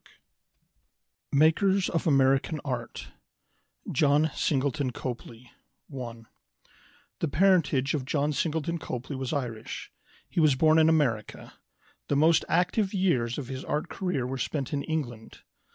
] MAKERS OF AMERICAN ART John Singleton Copley ONE The parentage of John Singleton Copley was Irish. He was born in America. The most active years of his art career were spent in England.